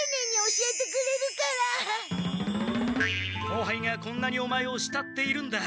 後輩がこんなにオマエをしたっているんだ。